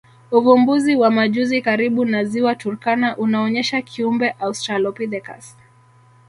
Uvumbuzi wa majuzi karibu na Ziwa Turkana unaonyesha kiumbe Australopithecus